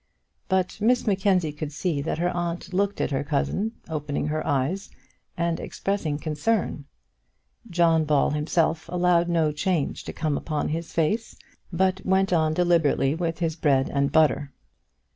But Miss Mackenzie could see that her aunt looked at her cousin, opening her eyes, and expressing concern. John Ball himself allowed no change to come upon his face, but went on deliberately with his bread and butter.